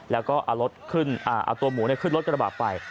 แล้วก็เอาตัวหมูขึ้นรถกระบะไป